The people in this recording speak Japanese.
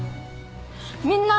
みんな！